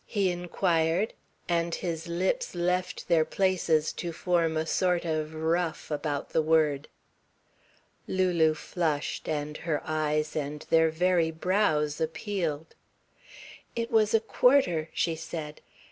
he inquired, and his lips left their places to form a sort of ruff about the word. Lulu flushed, and her eyes and their very brows appealed. "It was a quarter," she said.